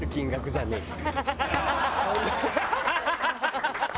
ハハハハ！